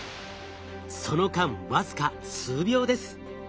その間わずか数秒です。